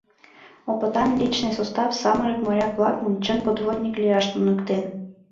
Опытан личный состав самырык моряк-влакым чын подводник лияш туныктен.